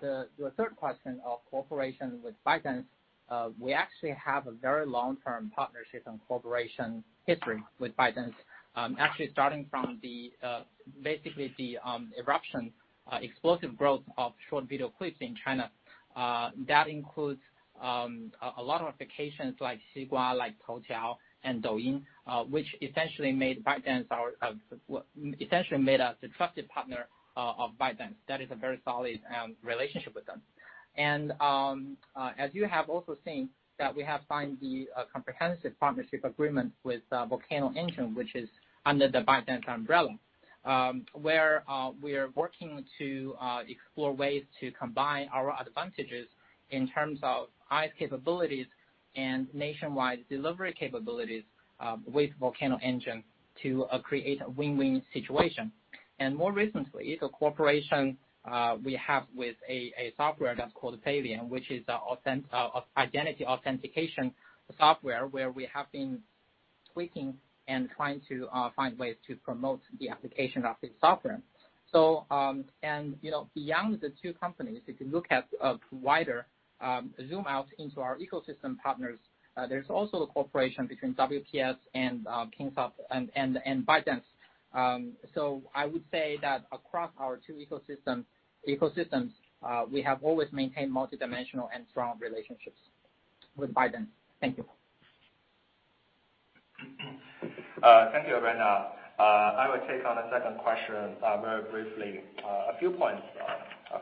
the third question of cooperation with ByteDance, we actually have a very long-term partnership and cooperation history with ByteDance, actually starting from basically the explosive growth of short video clips in China. That includes a lot of applications like Xigua, like Kuaishou, and Douyin, which essentially made us a trusted partner of ByteDance. That is a very solid relationship with them. As you have also seen that we have signed the comprehensive partnership agreement with Volcano Engine, which is under the ByteDance umbrella, where we are working to explore ways to combine our advantages in terms of high capabilities and nationwide delivery capabilities with Volcano Engine to create a win-win situation. More recently, the cooperation we have with a software that's called Feilian, which is an identity authentication software where we have been tweaking and trying to find ways to promote the application of this software. You know, beyond the two companies, if you look at wider, zoom out into our ecosystem partners, there's also a cooperation between WPS and Kingsoft and ByteDance. I would say that across our two ecosystems, we have always maintained multidimensional and strong relationships with ByteDance. Thank you. Thank you, Brenda. I will take on the second question, very briefly. A few points.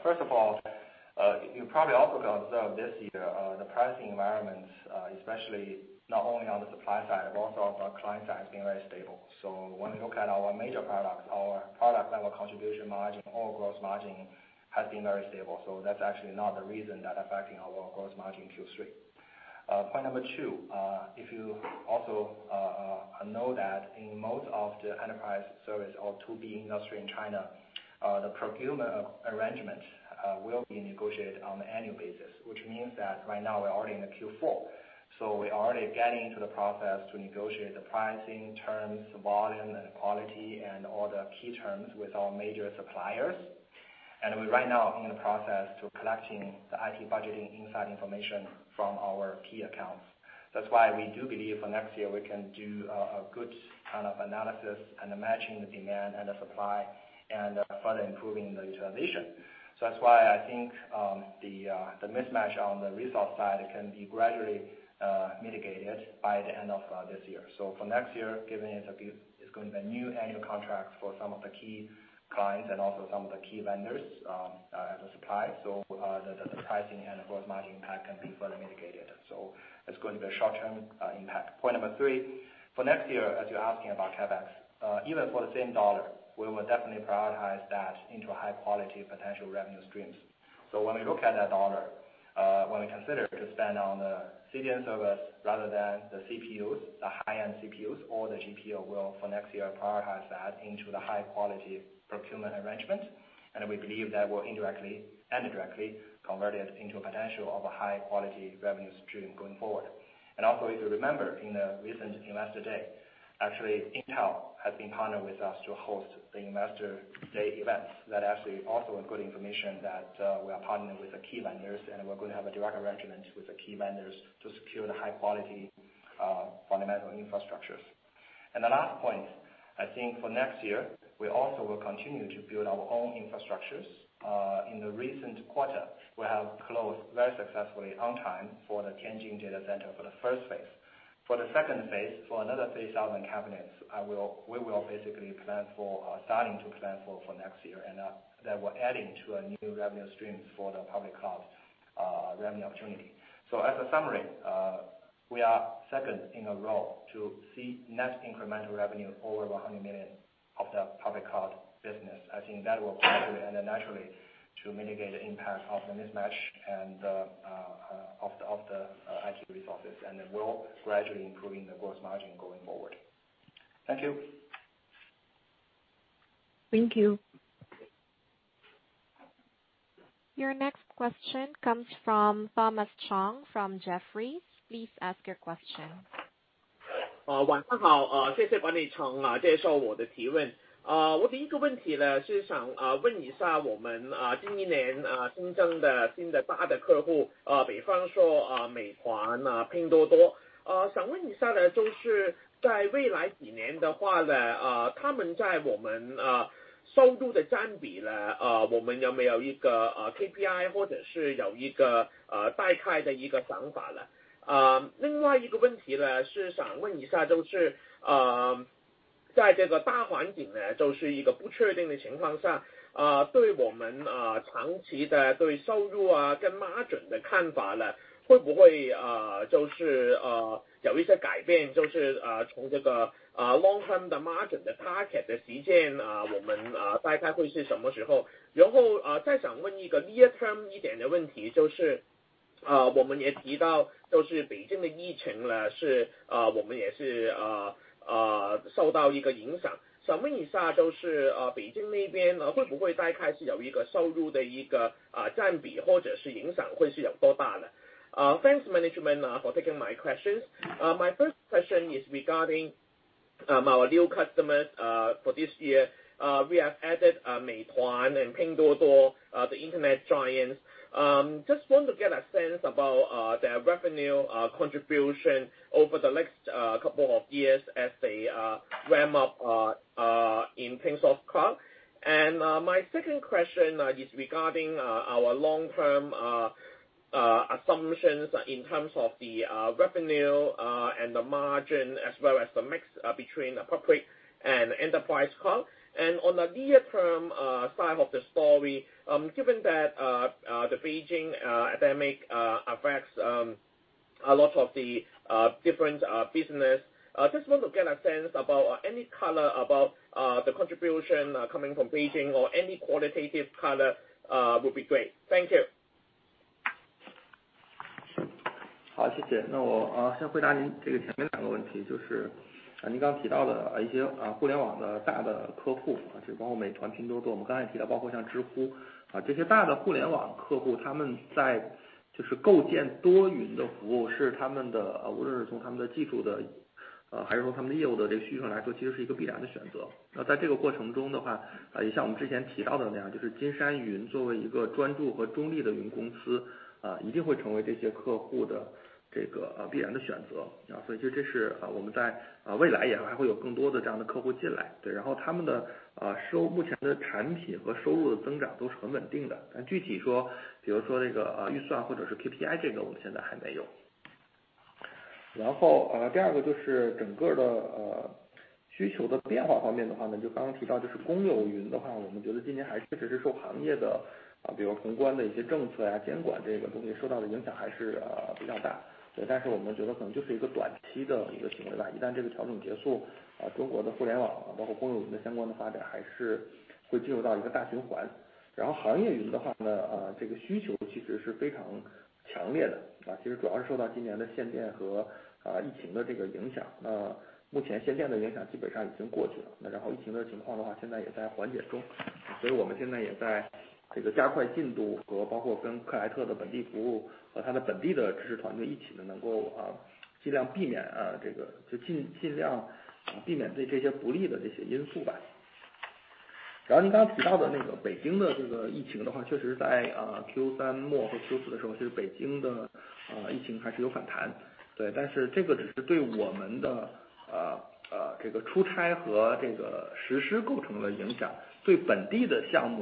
First of all, you can probably observe this year, the pricing environment, especially not only on the supply side, but also from client side has been very stable. So when you look at our major products, our product level contribution margin or gross margin has been very stable. So that's actually not the reason that affecting our gross margin in Q3. Point number two, if you also know that in most of the enterprise service or 2B industry in China, the procurement arrangement, will be negotiated on an annual basis, which means that right now we're already in the Q4. We're already getting into the process to negotiate the pricing terms, the volume and the quality and all the key terms with our major suppliers. We're right now in the process to collecting the IT budgeting insight information from our key accounts. That's why we do believe for next year we can do a good kind of analysis and matching the demand and the supply and further improving the utilization. That's why I think the mismatch on the result side can be gradually mitigated by the end of this year. For next year, it's going to be a new annual contract for some of the key clients and also some of the key vendors, as a supply. The pricing and gross margin impact can be further mitigated. It's going to be a short-term impact. Point number three, for next year, as you're asking about CapEx, even for the same dollar, we will definitely prioritize that into a high-quality potential revenue streams. When we look at that dollar, when we consider to spend on the CDN service rather than the CPUs, the high-end CPUs or the GPU will for next year prioritize that into the high quality procurement arrangement. We believe that will indirectly and directly convert it into a potential of a high quality revenue stream going forward. Also if you remember in the recent Investor Day, actually Intel has been partnered with us to host the Investor Day event. That actually also a good information that we are partnering with the key vendors, and we're going to have a direct arrangement with the key vendors to secure the high quality fundamental infrastructures. The last point, I think for next year, we also will continue to build our own infrastructures. In the recent quarter, we have closed very successfully on time for the Tianjin data center for the first phase. For the second phase, for another 3,000 cabinets, we will basically plan for starting to plan for next year, and that will add to a new revenue streams for the public cloud revenue opportunity. As a summary, we are second in a row to see net incremental revenue over 100 million of the public cloud business. I think that will contribute and naturally to mitigate the impact of the mismatch of the IT resources, and then will gradually improve the gross margin going forward. Thank you. Thank you. Your next question comes from Thomas Chong from Jefferies. Please ask your question. 晚上好，谢谢 Bonnie Chang 介绍我的提问。我的第一个问题呢，是想问一下我们今年新增的新的大的客户，比方说，美团啊，拼多多。想问一下的都是在未来几年的话呢，他们在我们收入的占比呢，我们有没有一个 KPI，或者是有一个大概的一个想法了。另外一个问题呢，是想问一下，就是在这个大环境呢，就是一个不确定的情况下，对我们长期的对收入啊跟 margin 的看法呢，会不会就是有一些改变，就是从这个 long term 的 margin 的 target 的时间，我们大概会是什么时候？然后再想问一个 near term 一点的问题，就是我们也提到，就是北京的疫情呢，我们也是受到一个影响。想问一下就是，北京那边呢，会不会大概是有一个收入的一个占比，或者是影响会是有多大呢？ Thanks, management, for taking my questions. My first question is regarding our new customers for this year. We have added 美团和 拼多多, the Internet giants. Just want to get a sense about their revenue contribution over the next couple of years as they ramp up in things of cloud. My second question is regarding our long term assumptions in terms of the revenue and the margin as well as the mix between corporate and enterprise cloud. On the near term side of the story, given that the Beijing epidemic affects a lot of the different business, just want to get a sense about any color about the contribution coming from Beijing or any qualitative color would be great. Thank you. Thank you very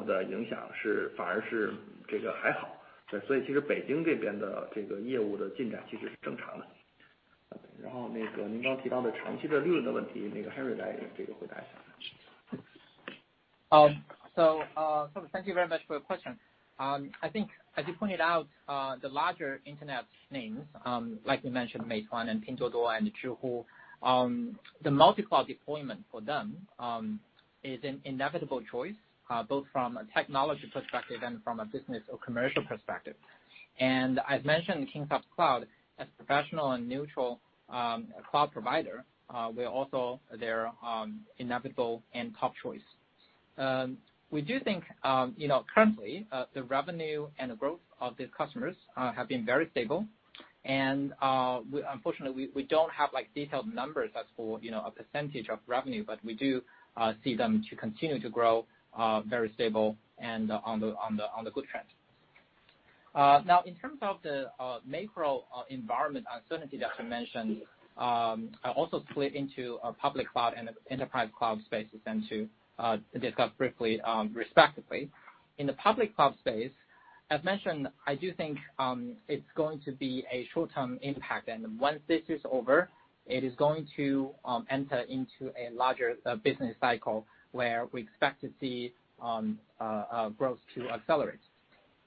much for your question. I think as you pointed out the larger internet names, like you mentioned Meituan and Pinduoduo and Zhihu. The multi-cloud deployment for them is an inevitable choice, both from a technology perspective and from a business or commercial perspective. I've mentioned Kingsoft Cloud as professional and neutral cloud provider, we're also their inevitable and top choice. We do think, you know, currently, the revenue and the growth of these customers have been very stable. Unfortunately, we don't have like detailed numbers as for, you know, a percentage of revenue, but we do see them to continue to grow very stable and on the good trend. Now in terms of the macro environment uncertainty that you mentioned, I also split into public cloud and enterprise cloud spaces then to discuss briefly, respectively. In the public cloud space, as mentioned, I do think it's going to be a short-term impact, and once this is over, it is going to enter into a larger business cycle where we expect to see growth to accelerate.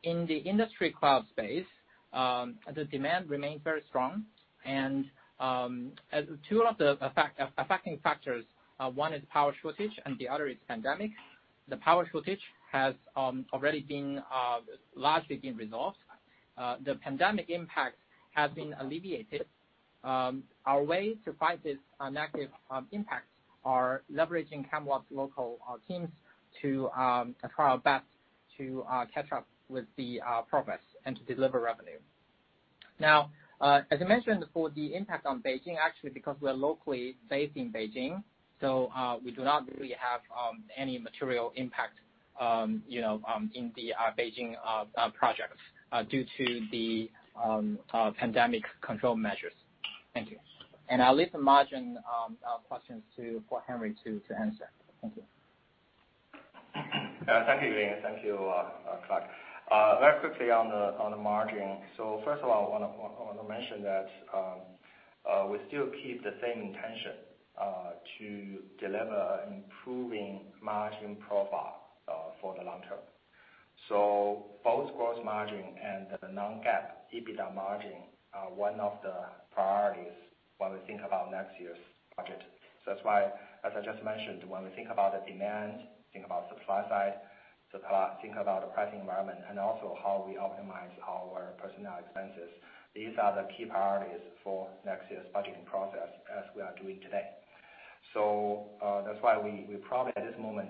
In the industry cloud space, the demand remains very strong. As two of the affecting factors, one is power shortage and the other is pandemic. The power shortage has already been largely resolved. The pandemic impact has been alleviated. Our way to fight this negative impact are leveraging Kingsoft's local teams to try our best to catch up with the progress and to deliver revenue. Now, as I mentioned, for the impact on Beijing, actually, because we are locally based in Beijing, so we do not really have any material impact, you know, in the Beijing projects due to the pandemic control measures. Thank you. I'll leave the margin questions for Henry to answer. Thank you. Thank you, thomas Thank you, Clark. Very quickly on the margin. First of all, I wanna mention that we still keep the same intention to deliver improving margin profile for the long term. Both gross margin and the non-GAAP EBITDA margin are one of the priorities when we think about next year's budget. That's why, as I just mentioned, when we think about the demand, supply side, pricing environment and also how we optimize our personnel expenses, these are the key priorities for next year's budgeting process as we are doing today. That's why we probably at this moment,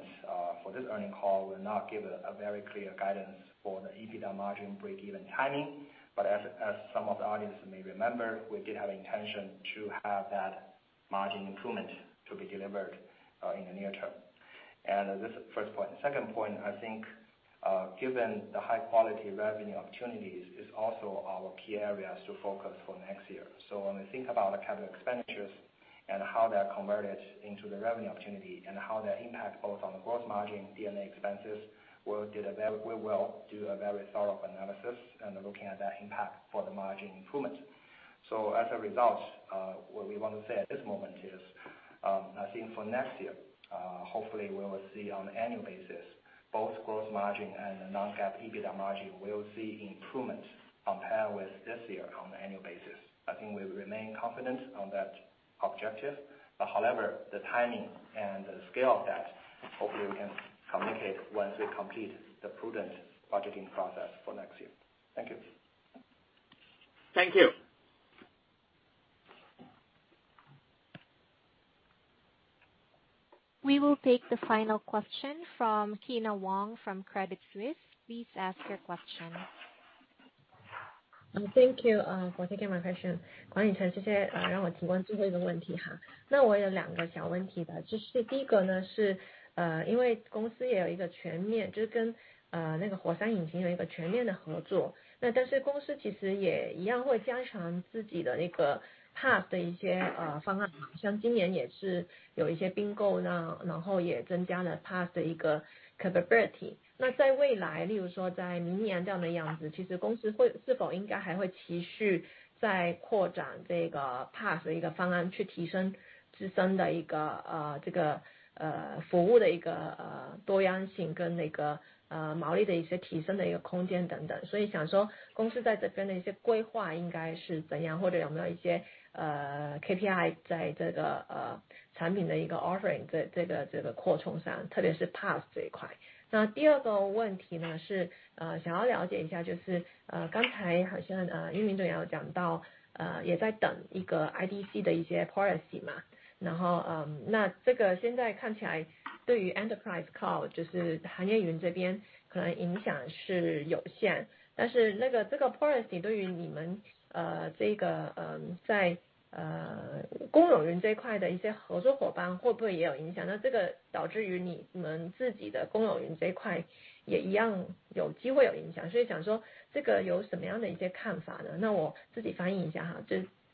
for this earnings call, will not give a very clear guidance for the EBITDA margin breakeven timing. As some of the audience may remember, we did have intention to have that margin improvement to be delivered in the near term. This first point. Second point, I think, given the high-quality revenue opportunities is also our key areas to focus for next year. When we think about the capital expenditures and how they're converted into the revenue opportunity and how that impact both on the gross margin, D&A expenses, we will do a very thorough analysis and looking at that impact for the margin improvement. As a result, what we want to say at this moment is, I think for next year, hopefully we will see on annual basis both gross margin and non-GAAP EBITDA margin will see improvement compared with this year on annual basis. I think we remain confident on that objective. However, the timing and the scale of that, hopefully we can communicate once we complete the prudent budgeting process for next year. Thank you. Thank you. We will take the final question from Kyna Wong from Credit Suisse. Please ask your question. Thank you for taking my question.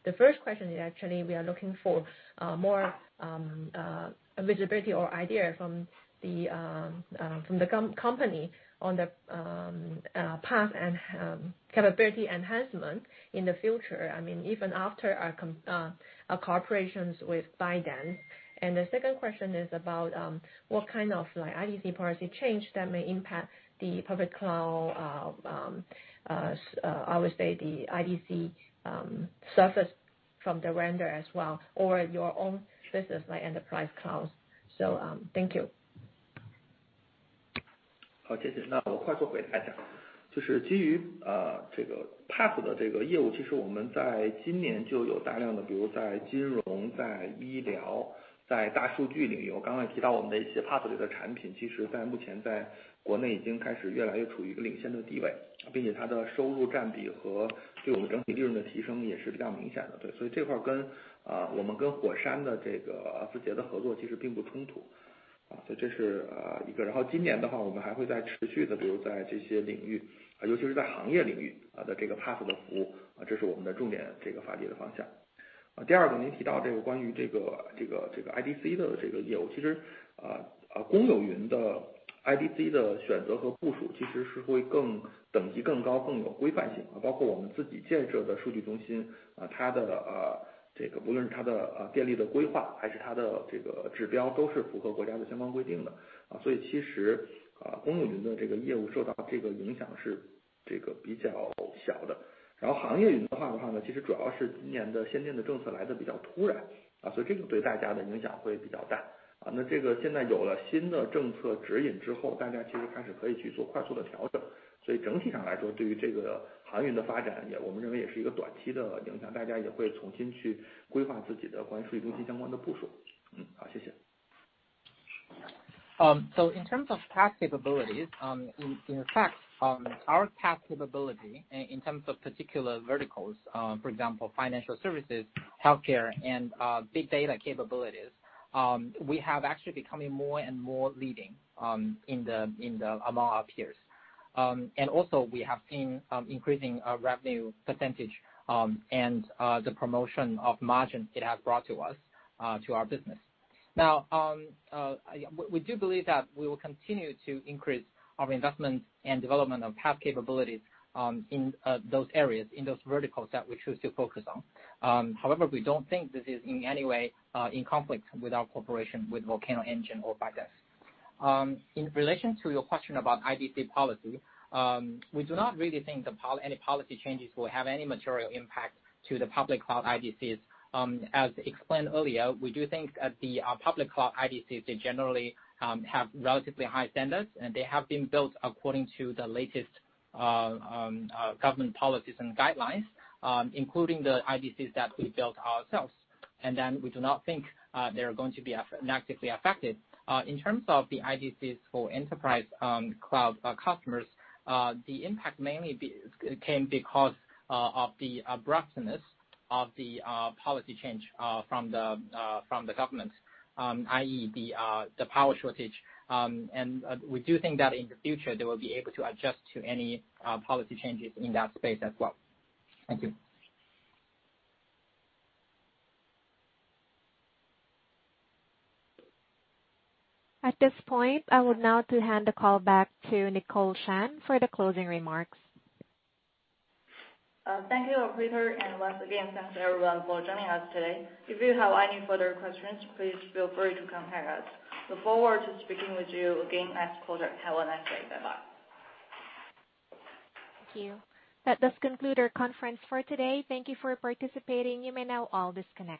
The first question is actually we are looking for more visibility or idea from the company on the path and capability enhancement in the future. I mean, even after our cooperations with Baidu. The second question is about what kind of like IDC policy change that may impact the public cloud. I would say the IDC service from the vendor as well, or your own business like enterprise clouds. Thank you. In terms of PaaS capabilities, in fact, our PaaS capability in terms of particular verticals, for example financial services, healthcare and big data capabilities, we have actually becoming more and more leading, among our peers. Also we have seen increasing our revenue percentage, and the promotion of margin it has brought to us, to our business. Now, we do believe that we will continue to increase our investment and development of PaaS capabilities, in those areas, in those verticals that we choose to focus on. However, we don't think this is in any way in conflict with our cooperation with Volcano Engine or ByteDance. In relation to your question about IDC policy, we do not really think any policy changes will have any material impact to the public cloud IDCs. As explained earlier, we do think the public cloud IDCs, they generally, have relatively high standards and they have been built according to the latest, government policies and guidelines, including the IDCs that we built ourselves. We do not think they are going to be negatively affected. In terms of the IDCs for enterprise, cloud customers, the impact mainly came because of the abruptness of the, policy change, from the government, i.e., the power shortage. We do think that in the future they will be able to adjust to any policy changes in that space as well. Thank you. At this point, I would now like to hand the call back to Nicole Shan for the closing remarks. Thank you, Peter. Once again, thanks everyone for joining us today. If you have any further questions, please feel free to contact us. We look forward to speaking with you again next quarter. Have a nice day. Bye bye. Thank you. That does conclude our conference for today. Thank you for participating. You may now all disconnect.